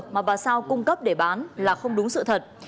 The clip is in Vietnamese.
mà bà sao cung cấp để bán là không đúng sự thật